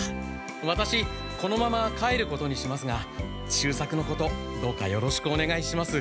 ワタシこのまま帰ることにしますが秀作のことどうかよろしくおねがいします。